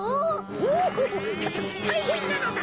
おおたたたいへんなのだ！